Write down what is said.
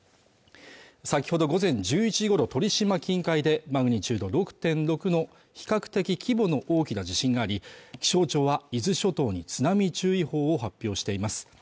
先ほど午前１１時ごろ鳥島近海でマグニチュード６．６の比較的規模の大きな地震があり気象庁は伊豆諸島に津波注意報を発表しています